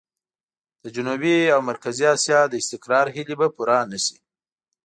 د جنوبي او مرکزي اسيا د استقرار هيلې به پوره نه شي.